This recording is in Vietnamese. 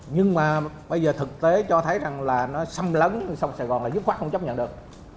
nhưng mà bây giờ thực tế cho thấy rằng là nó xâm lấn sông sài gòn là dứt khoát không chấp nhận được